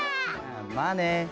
まあね。